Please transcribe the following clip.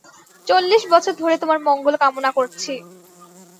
চল্লিশ বছর ধরে তোমার মঙ্গল কামনা করছি।